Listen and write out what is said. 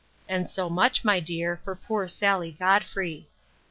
And so much, my dear, for poor Sally Godfrey.